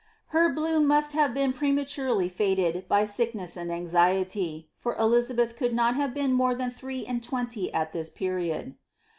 Her bloom must have been prematurely faded by sickness and anxiety ; for Elizabeth could not have been more than three and twenty at this period.